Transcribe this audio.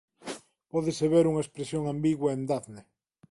Pódese ver unha expresión ambigua en Dafne.